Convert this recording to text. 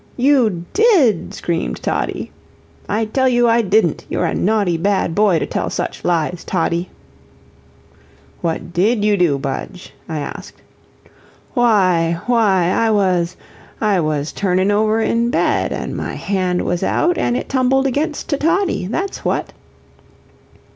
"You DID," screamed Toddie. "I tell you I didn't you're a naughty, bad boy to tell such lies, Toddie." "What DID you do, Budge?" I asked. "Why why I was I was turnin' over in bed, an' my hand was out, and it tumbled against to Toddie that's what."